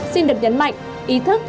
xin được nhấn mạnh ý thức